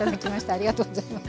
ありがとうございます。